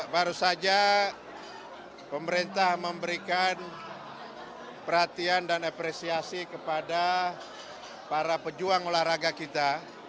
baru saja pemerintah memberikan perhatian dan apresiasi kepada para pejuang olahraga kita